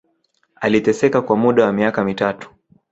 Aliteseka kwa muda wa miaka mitatu